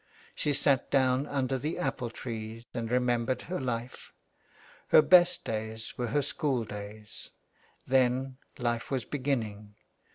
She sat down under the apple tree and remembered her life. Her best days were her school days. Then life was beginning.